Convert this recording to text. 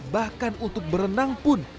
bahkan untuk berenang pun